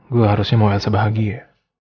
gue harusnya mau rasa bahagia